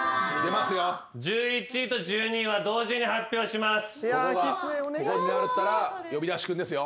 １１位と１２位同時に発表します。